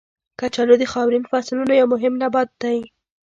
کچالو د خاورین فصلونو یو مهم نبات دی.